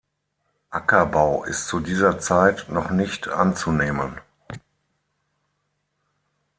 Ackerbau ist zu dieser Zeit noch nicht anzunehmen.